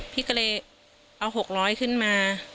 พี่ก็เลยเอา๖๐๐ขึ้นมา